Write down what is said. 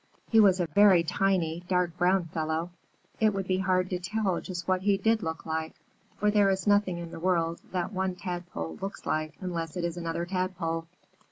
He was a very tiny, dark brown fellow. It would be hard to tell just what he did look like, for there is nothing in the world that one Tadpole looks like unless it is another Tadpole.